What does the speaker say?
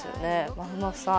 まふまふさん